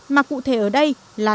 mà cụ thể ở đây là